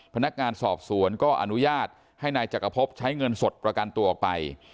พนักงานสอบสวนก็อนุญาตให้นายจักรพบใช้เงินสดประกันตัวออกไป